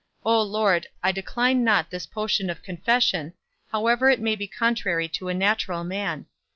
O Lord, I decline not this potion of confession, however it may be contrary to a natural man.